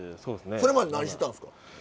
それまで何してたんですか？